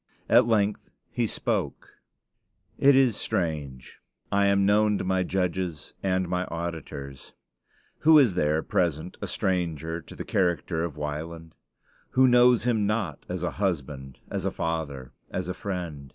At length he spoke: It is strange: I am known to my judges and my auditors. Who is there present a stranger to the character of Wieland? Who knows him not as a husband, as a father, as a friend?